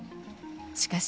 しかし。